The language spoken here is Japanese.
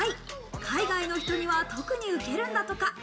海外の人には特にウケるんだとか。